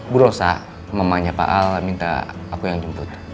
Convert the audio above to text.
bu rosa mamanya pak al minta aku yang jemput